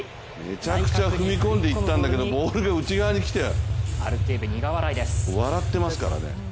めちゃくちゃ踏み込んでいったんだけど、ボールが内側に来て笑ってますからね。